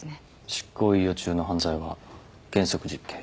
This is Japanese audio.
執行猶予中の犯罪は原則実刑。